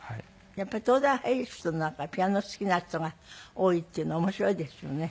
やっぱり東大に入る人なんかはピアノ好きな人が多いっていうのは面白いですよね。